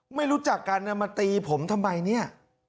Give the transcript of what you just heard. ไม่รู้จักกันมาตีผมทำไมเนี่ย